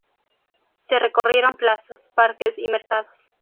Se recorrieron plazas, parques y mercados.